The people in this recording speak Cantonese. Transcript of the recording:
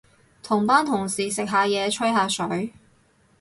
同班同事食下嘢，吹下水